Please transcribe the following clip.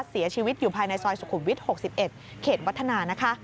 เสียชีวิตอยู่ภายในซอยสุขุมวิทย์๖๑เขตวัฒนานะคะ